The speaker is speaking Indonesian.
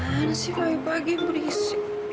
mana si rayo pagi berisik